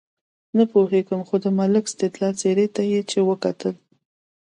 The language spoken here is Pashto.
نه پوهېږم خو د ملک سیدلال څېرې ته چې وکتل.